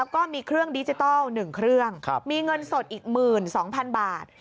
ของเครื่องมีเงินสดอีก๑๒๐๐๐บาท